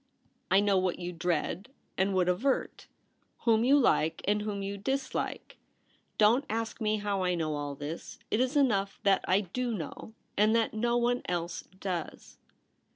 I know what you dread and would avert — whom you like and whom you dislike. Don't ask me how I know all this. It is enough that I (1^0 know, and that no one else does.'